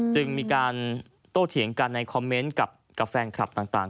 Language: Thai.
จึงมีการโตเถียงกันในคอมเมนต์กับแฟนคลับต่าง